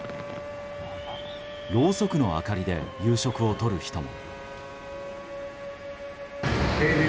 ろうそくの明かりで夕食をとる人も。